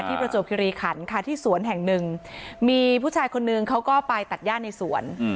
ประจวบคิริขันค่ะที่สวนแห่งหนึ่งมีผู้ชายคนนึงเขาก็ไปตัดย่าในสวน